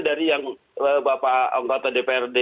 dari yang bapak anggota dprd